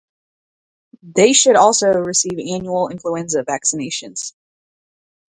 They should also receive annual influenza vaccinations.